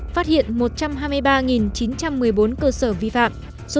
phát hiện một trăm hai mươi ba chín trăm một mươi bốn cơ sở sản xuất